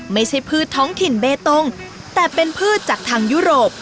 พืชท้องถิ่นเบตงแต่เป็นพืชจากทางยุโรป